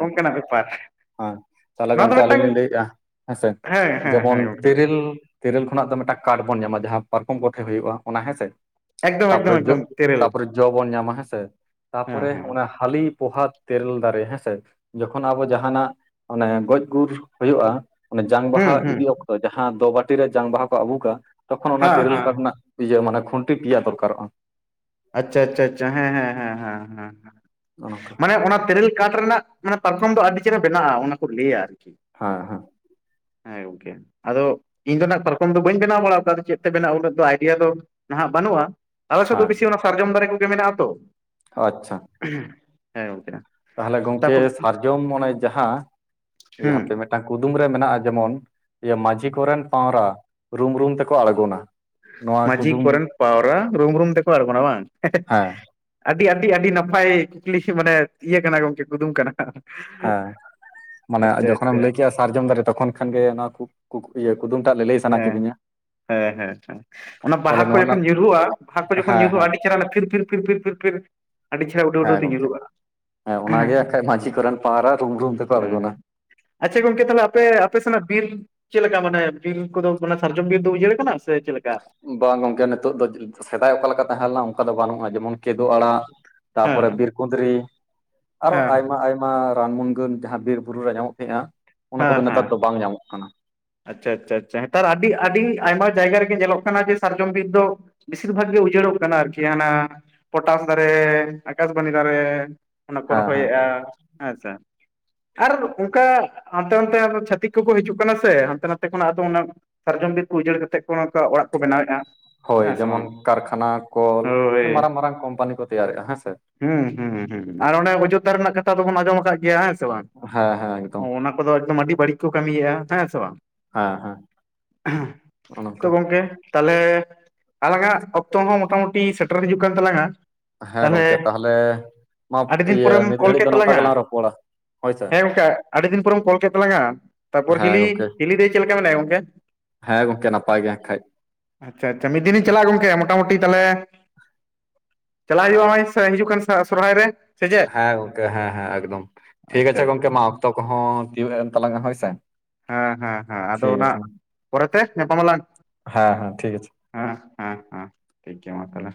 ᱚᱱᱠᱟ ᱱᱟᱜ ᱵᱮᱯᱟᱨ ᱛᱟᱦᱚ ᱞᱮ ᱱᱚᱣᱟ ᱫᱚ ᱜᱚᱢᱠᱮ ᱟᱹᱞᱤᱧ ᱢᱤᱫᱴᱟᱝ ᱞᱤᱧ ᱞᱟᱹᱭ ᱮᱜᱼᱟ ᱦᱮᱸ ᱥᱮ ᱦᱮᱸ ᱡᱮᱢᱚᱱ ᱦᱮᱸ ᱜᱚᱢᱠᱮ ᱞᱟᱹᱭ ᱢᱮ ᱛᱮᱨᱮᱞ ᱛᱮᱨᱮᱞ ᱠᱷᱚᱱᱟᱜ ᱫᱚ ᱢᱤᱫ ᱴᱟᱝ ᱠᱟᱴ ᱵᱚᱱ ᱧᱟᱢ-ᱟ ᱡᱟᱦᱟᱸ ᱯᱟᱨᱠᱚᱢ ᱠᱚᱴᱷᱮ ᱦᱳᱭᱳᱜᱼᱟ ᱚᱱᱟ ᱦᱮᱸ ᱥᱮ ᱮᱠᱫᱚᱢ ᱛᱟ ᱯᱚᱨᱮ ᱮᱠᱫᱚᱢ ᱡᱚ ᱮᱠᱫᱚᱢ ᱛᱮᱨᱮᱞ ᱛᱟᱯᱚ ᱨᱮ ᱡᱚ ᱵᱚᱱ ᱧᱟᱢ-ᱟ ᱦᱮᱸᱥᱮ ᱛᱟᱯᱚ ᱦᱮᱸ ᱨᱮ ᱦᱮᱸ ᱚᱱᱟ ᱦᱟᱹᱞᱤ ᱯᱚᱦᱟ ᱛᱮᱨᱮᱞ ᱫᱟᱨᱮ ᱦᱮᱸᱥᱮ ᱡᱚᱠᱷᱚᱱ ᱟᱵᱚ ᱡᱟᱦᱟ ᱱᱟᱜ ᱢᱟᱱᱮ ᱜᱚᱡ ᱜᱩᱨ ᱦᱳᱭᱳᱜᱼᱟ ᱢᱟᱱᱮ ᱡᱟᱝ ᱵᱟᱦᱟ ᱦᱩᱸ ᱦᱩᱸ ᱤᱫᱤ ᱚᱠᱛᱚ ᱛᱚ ᱡᱟᱦᱟᱸ ᱫᱚ ᱵᱟᱹᱴᱤ ᱨᱮ ᱡᱟᱝ ᱵᱟᱦᱟ ᱠᱚ ᱟᱹᱵᱩᱠᱼᱟ ᱛᱚ ᱠᱷᱚᱱ ᱚᱱᱟ ᱦᱮᱸ ᱛᱮᱨᱮᱞ ᱦᱮᱸ ᱠᱟᱴ ᱨᱮᱱᱟᱜ ᱤᱭᱟᱹ ᱢᱟᱱᱮ ᱠᱷᱩᱱ ᱴᱤ ᱯᱮᱭᱟ ᱫᱚᱨ ᱠᱟ ᱨᱚᱜᱼᱟ᱾ ᱟᱪᱪᱷᱟ ᱟᱪᱪᱷᱟ ᱟᱪᱪᱷᱟ ᱦᱮᱸ ᱦᱮᱸ ᱦᱮᱸ ᱦᱮᱸ ᱦᱮᱸ ᱦᱮᱸ ᱚᱱᱮ ᱚᱱᱠᱟ ᱢᱟᱱᱮ ᱚᱱᱟ ᱛᱮᱨᱮᱞ ᱠᱟᱴ ᱨᱮᱱᱟᱜ ᱢᱟᱱᱮ ᱯᱟᱨᱠᱚᱢ ᱫᱚ ᱟᱹᱰᱤ ᱪᱮᱦᱨᱟ ᱵᱮᱱᱟᱜᱼᱟ ᱚᱱᱟ ᱠᱚ ᱞᱟᱹᱭ-ᱟ ᱟᱨᱠᱤ ᱦᱮᱸ ᱦᱮᱸ ᱦᱮᱸ ᱟᱫᱚ ᱤᱧ ᱫᱚ ᱱᱟᱜ ᱯᱟᱨᱠᱚᱢ ᱫᱚ ᱵᱟᱹᱧ ᱵᱮᱱᱟᱣ ᱵᱟᱲᱟ ᱟᱠᱟᱫᱟ ᱪᱮᱫ ᱛᱮ ᱵᱮᱱᱟᱜ ᱩᱱᱟᱹᱜ ᱫᱚ ᱟᱭᱰᱤᱭᱟ ᱫᱚ ᱱᱟᱦᱟᱜ ᱵᱟᱹᱱᱩᱜᱼᱟ ᱟᱞᱮ ᱥᱮᱫ ᱫᱚ ᱦᱮᱸ ᱵᱮᱥᱤ ᱚᱱᱟ ᱥᱟᱨᱡᱚᱢ ᱫᱟᱨᱮ ᱠᱚᱜᱮ ᱢᱮᱱᱟᱜᱼᱟ ᱛᱚ᱾ ᱟᱪᱪᱷᱟ ᱦᱮᱸ ᱜᱚᱝᱠᱮ ᱛᱟᱞᱦᱮ ᱜᱚᱢᱠᱮ ᱛᱟᱯᱚᱨ ᱥᱟᱨ ᱡᱚᱢ ᱚᱱᱮ ᱡᱟᱦᱟᱸ ᱦᱩᱸ [unintelligible] ᱢᱤᱫ ᱴᱟᱝ ᱠᱩᱫᱩᱢ ᱨᱮ ᱢᱮᱱᱟᱜᱼᱟ ᱡᱮᱢᱚᱱ ᱢᱟᱹᱡᱷᱤ ᱠᱚᱨᱮᱱ ᱯᱟᱣᱨᱟ ᱨᱩᱢ ᱨᱩᱢ ᱛᱮᱠᱚ ᱟᱲᱜᱚ ᱱᱟ ᱢᱟᱹᱡᱷᱤ ᱠᱚᱨᱮᱱ ᱯᱟᱣᱨᱟ ᱨᱩᱢ ᱨᱩᱢ ᱛᱮᱠᱚ ᱟᱲᱜᱚ ᱱᱟ ᱵᱟᱝ ᱦᱮᱸ ᱟᱹᱰᱤ ᱟᱹᱰᱤ ᱟᱹᱰᱤ ᱱᱟᱯᱟᱭ ᱠᱩᱠᱞᱤ ᱢᱟᱱᱮ ᱤᱭᱟᱹ ᱠᱟᱱᱟ ᱜᱚᱝᱠᱮ ᱠᱩᱫᱩᱢ ᱠᱟᱱᱟ᱾ ᱦᱮᱸ ᱢᱟᱱᱮ ᱟᱪᱪᱷᱟ ᱡᱚᱠᱷᱚᱱ ᱮᱢ ᱟᱪᱪᱷᱟ ᱞᱟᱹᱭ ᱠᱮᱜᱼᱟ ᱥᱟᱨᱡᱚᱢ ᱫᱟᱨᱮ ᱛᱚᱠᱷᱚᱱ ᱠᱷᱟᱱ ᱜᱮ ᱱᱚᱣᱟ ᱤᱭᱟᱹ ᱠᱩᱫᱩᱢ ᱴᱟᱜ ᱞᱟᱹ ᱞᱟᱹᱭ ᱥᱟᱱᱟ ᱦᱮᱸ ᱠᱤᱫᱤ ᱧᱟ ᱦᱮᱸ ᱦᱮᱸ ᱦᱮᱸ ᱚᱱᱟ ᱵᱟᱦᱟ ᱠᱚ ᱱᱚᱣᱟ ᱡᱚᱠᱷᱚᱱ ᱨᱮᱱᱟᱜ ᱧᱩᱨᱩᱜᱼᱟ ᱵᱟᱦᱟ ᱠᱚ ᱡᱚᱠᱷᱚᱱ ᱦᱮᱸ ᱧᱩᱨᱩᱜᱼᱟ ᱦᱮᱸ ᱟᱹᱰᱤ ᱯᱷᱤᱨ ᱯᱷᱤᱨ ᱯᱷᱤᱨ ᱯᱷᱤᱨ ᱯᱷᱤᱨ ᱟᱹᱰᱤ ᱪᱮᱦᱨᱟ ᱩᱰᱟᱹᱣ ᱦᱮᱸ ᱩᱰᱟᱹᱣ ᱛᱮ ᱜᱚᱝᱠᱮ ᱧᱩᱨᱩᱜᱼᱟ ᱦᱮᱸ ᱚᱱᱟᱜᱮ ᱟᱠᱷᱟᱡ ᱢᱟᱺᱡᱷᱤ ᱠᱚᱨᱮᱱ ᱯᱟᱣᱨᱟ ᱨᱩᱢ ᱨᱩᱢ ᱛᱮᱠᱚ ᱦᱮᱸ ᱟᱬᱜᱚᱱᱟ ᱟᱪᱪᱷᱟ ᱜᱚᱢᱠᱮ ᱛᱟᱦᱚ ᱞᱮ ᱟᱯᱮ ᱟᱯᱮ ᱥᱮᱱᱟᱜ ᱵᱤᱨ ᱪᱮᱫ ᱞᱮᱠᱟ ᱢᱟᱱᱮ ᱵᱤᱨ ᱠᱚᱫᱚ ᱥᱟᱨ ᱡᱚᱢ ᱵᱤᱨ ᱫᱚ ᱩᱡᱟᱹᱲ ᱟᱠᱟᱱᱟ ᱥᱮ ᱪᱮᱫ ᱞᱮᱠᱟ? ᱵᱟᱝ ᱜᱚᱢᱠᱮ ᱱᱤᱛᱚᱜ ᱫᱚ ᱥᱮᱫᱟᱭ ᱚᱠᱟ ᱞᱮᱠᱟ ᱛᱟᱦᱮᱸ ᱞᱮᱱᱟ ᱚᱱᱠᱟ ᱫᱚ ᱵᱟᱹᱱᱩᱜᱼᱟ ᱡᱮᱢᱚᱱ ᱠᱮᱫᱳᱜ ᱟᱲᱟᱜ ᱟᱪᱪᱷᱟ, ᱛᱟᱯᱚ ᱦᱮᱸ ᱨᱮ ᱦᱮᱸ ᱵᱤᱨ ᱠᱩᱸᱫᱽ ᱨᱤ ᱟᱨᱚ ᱦᱮᱸ ᱟᱭᱢᱟ ᱟᱭᱢᱟ ᱨᱟᱱ ᱢᱱᱜᱟᱹᱱ ᱡᱟᱦᱟᱸ ᱵᱤᱨ ᱵᱩᱨᱩ ᱨᱮ ᱧᱟᱢᱚᱜ ᱛᱟᱦᱮᱸᱼᱱᱟ ᱚᱱᱟ ᱠᱚᱫᱚ ᱦᱮᱸ ᱱᱮᱛᱟᱨ ᱫᱚ ᱵᱟᱝ ᱧᱟᱢᱚᱜ ᱠᱟᱱᱟ᱾ ᱟᱪᱪᱷᱟ ᱟᱪᱪᱷᱟ ᱱᱮᱛᱟᱨ ᱟᱹᱰᱤ ᱟᱹᱰᱤ ᱟᱭᱢᱟ ᱡᱟᱭ ᱜᱟ ᱨᱮ ᱜᱮ ᱧᱮ ᱞᱚᱜ ᱠᱟᱱᱟ ᱡᱮ ᱥᱟᱨ ᱡᱚᱢ ᱵᱤᱨ ᱫᱚ ᱵᱮᱥᱤᱨ ᱵᱷᱟᱜᱽ ᱜᱮ ᱩᱡᱟᱹᱲ ᱚᱜ ᱠᱟᱱᱟ ᱟᱨᱠᱤ ᱦᱟᱱᱟ ᱯᱚᱴᱟᱥ ᱫᱟᱨᱮ ᱟᱠᱟᱥᱯᱟᱱᱤ ᱫᱟᱨᱮ ᱚᱱᱟ ᱠᱚ ᱦᱮᱸ ᱦᱮᱸ ᱨᱚᱦᱚᱭ ᱮᱜᱼᱟ᱾ ᱟᱪᱪᱷᱟ ᱟᱨ ᱚᱱᱠᱟ ᱦᱟᱱ ᱛᱮ ᱱᱟᱛᱮ ᱟᱨ ᱪᱷᱷᱟ ᱛᱤᱠ ᱠᱚ ᱠᱚ ᱦᱤᱡᱩᱜ ᱠᱟᱱᱟ ᱥᱮ ᱥᱮ ᱦᱟᱱᱛᱮ ᱱᱟᱛᱮ ᱠᱷᱚᱱᱟᱜ ᱟᱫᱚ ᱚᱱᱟ ᱥᱟᱨᱡᱚᱢ ᱵᱤᱨ ᱠᱚ ᱩᱡᱟᱹᱲ ᱠᱟᱛᱮᱫ ᱠᱚ ᱚᱱᱠᱟ ᱚᱲᱟᱜ ᱠᱚ ᱵᱮᱱᱟᱣᱮᱫᱼᱟ ᱦᱳᱭ ᱦᱮᱸ ᱥᱮ ᱡᱮᱢᱚᱱ ᱵᱟᱝ ᱠᱟᱨᱠᱷᱟᱱᱟ ᱠᱚᱞ ᱦᱳᱭ ᱢᱟᱨᱟᱝ ᱢᱟᱨᱟᱝ ᱠᱳᱢ ᱯᱟᱱᱤ ᱠᱚ ᱛᱮᱭᱟ ᱨᱮᱜᱼᱟ ᱦᱮᱸ ᱥᱮ᱾ ᱦᱩᱸ ᱦᱩᱸ ᱟᱨ ᱚᱱᱮ ᱚᱡᱳᱫᱽᱫᱷᱟ ᱨᱮᱱᱟᱜ ᱠᱟᱛᱷᱟ ᱫᱚᱵᱚᱱ ᱟᱸᱡᱚᱢ ᱟᱠᱟᱫ ᱜᱮᱭᱟ ᱦᱮᱸ ᱥᱮ ᱵᱟᱝ ᱦᱮᱸ ᱦᱮᱸ ᱮᱠᱫᱚᱢ [unintelligible] ᱟᱹᱰᱤ ᱵᱟᱹᱲᱤᱡ ᱠᱚ ᱠᱟᱹᱢᱤ ᱭᱮᱜᱼᱟ ᱦᱮᱸ ᱥᱮ ᱵᱟᱝ ᱦᱮᱸ ᱦᱮᱸ ᱚᱱᱮ ᱛᱚ ᱚᱱᱠᱟ ᱜᱚᱢᱠᱮ ᱛᱟᱦᱚᱞᱮ ᱟᱞᱟᱝᱟᱜ ᱚᱠᱛᱚ ᱦᱚᱸ ᱢᱚᱴᱟᱢᱩᱴᱤ ᱥᱮᱴᱮᱨ ᱦᱤᱡᱩᱜ ᱠᱟᱱ ᱛᱟᱞᱟᱝᱼᱟ᱾ ᱦᱮᱸ ᱜᱚᱢᱠᱮ ᱛᱟᱦᱚᱞᱮ ᱢᱟ ᱟᱹᱰᱤ ᱫᱤᱱ ᱤᱭᱟᱹ ᱯᱚᱨᱮᱢ ᱱᱤᱛ ᱠᱚᱞ ᱜᱷᱟᱹᱲᱤᱡ ᱫᱚ ᱠᱮᱫ ᱱᱚᱝᱠᱟ ᱛᱟᱞᱟᱝᱟ ᱜᱮᱞᱟᱝ ᱨᱚᱯᱚᱲᱟ ᱦᱳᱭ ᱥᱮ ᱦᱮᱸ ᱚᱱᱠᱟ ᱟᱹᱰᱤ ᱫᱤᱱ ᱯᱚᱨᱮᱢ ᱠᱚᱞ ᱠᱮᱫ ᱛᱟᱞᱟᱝᱼᱟ ᱛᱟᱯᱚᱨ ᱦᱮᱸ ᱦᱤᱞᱤ ᱜᱚᱝᱠᱮ ᱪᱤᱞᱤᱟᱹᱭ ᱪᱮ ᱢᱮ ᱞ ᱜᱚᱢᱠᱮ ᱦᱮᱸ ᱜᱚᱢᱠᱮ ᱱᱟᱯᱟᱭ ᱜᱮ ᱦᱮᱠᱷᱟᱡ ᱟᱪᱪᱷᱟ ᱟᱪᱪᱷᱟ ᱢᱤᱫ ᱫᱤᱱᱤᱧ ᱪᱟᱞᱟᱜᱼᱟ ᱜᱚᱝᱠᱮ ᱢᱚᱴᱟᱢᱩᱴᱤ ᱛᱟᱦᱚᱞᱮ ᱪᱟᱞᱟᱜ ᱦ ᱦᱩᱭᱩᱜᱩᱜᱼᱟ ᱱᱚᱜᱚᱭ ᱦᱤᱡᱩᱜ ᱠᱟᱱ ᱥᱚᱨᱦᱟᱭ ᱨᱮ ᱥᱮ ᱪᱮᱫ ᱦᱮᱸ ᱜᱚᱢᱠᱮ ᱦᱮᱸ ᱦᱮᱸ ᱮᱠᱫᱚᱢ ᱴᱷᱤᱠ ᱟᱪᱪᱷᱟ ᱟᱪᱷᱮ ᱜᱚᱢᱠᱮ ᱟᱪᱪᱷᱟ ᱢᱟ ᱚᱠᱛᱚ ᱠᱚᱦᱚᱸ ᱛᱤᱭᱳᱜ ᱮᱱ ᱛᱟᱞᱟᱝᱟ ᱦᱳᱭ ᱥᱮ᱾ ᱦᱮᱸ ᱦᱮᱸ ᱦᱮᱸ ᱟᱫᱚ ᱴᱷᱤᱠ ᱚᱱᱟ ᱟᱪᱷᱮ ᱢᱟ, ᱯᱚᱨᱮᱛᱮ ᱧᱟᱯᱟᱢ ᱟᱞᱟᱝ ᱦᱮᱸ ᱦᱮᱸ ᱴᱷᱤᱠ ᱟᱪᱷᱮ ᱦᱮᱸ ᱦᱮᱸ ᱦᱮᱸ ᱴᱷᱤᱠ ᱜᱮᱭᱟ ᱢᱟ ᱛᱟᱦᱚᱞᱮ